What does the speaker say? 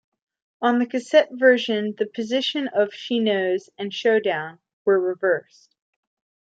On the cassette version, the positions of "She Knows" and "Showdown" were reversed.